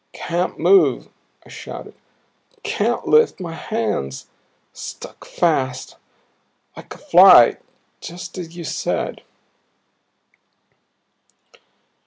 "Can't move," I shouted. "Can't lift my hands. Stuck fast like a fly just as you said."